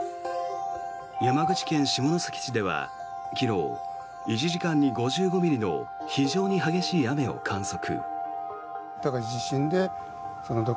山口県下関市では昨日１時間に５５ミリの非常に激しい雨を観測。